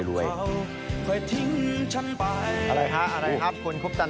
อะไรฮะอะไรครับคุณคุปสนาน